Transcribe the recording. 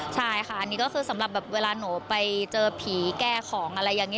ใช่ค่ะอันนี้ก็คือสำหรับแบบเวลาหนูไปเจอผีแก้ของอะไรอย่างนี้